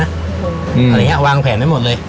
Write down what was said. อะไรอย่างนี้วางแผนไว้หมดเลย